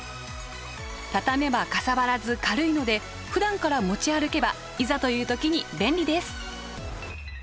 畳めばかさばらず軽いのでふだんから持ち歩けばいざという時に便利です。